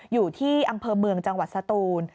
อยู่ที่อำเภอเมืองจังหวัดสตูน